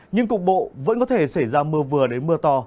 nhưng cục bộ vẫn có thể xảy ra mưa vừa đến mưa to